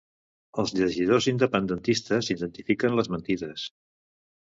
Els llegidors independentistes identifiquen les mentides